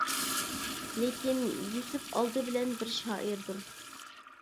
لېكىن، يۈسۈپ ئالدى بىلەن بىر شائىردۇر.